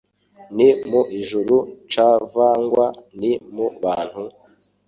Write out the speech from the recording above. ni mu ijuru cvangwa ni mu bantu?"